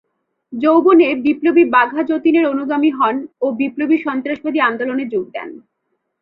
যৌবনে বিপ্লবী বাঘা যতীনের অনুগামী হন ও বিপ্লবী সন্ত্রাসবাদী আন্দোলনে যোগ দেন।